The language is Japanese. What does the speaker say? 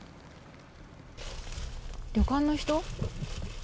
旅館の人？